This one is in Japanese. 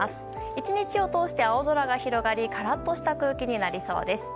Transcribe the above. １日を通して青空が広がりカラッとした空気になりそうです。